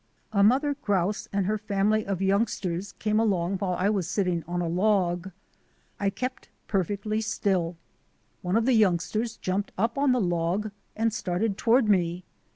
A mother grouse and her family of youngsters came along while I was sitting on a log. I kept perfectly still. One of the youngsters jumped up on the log and started toward me.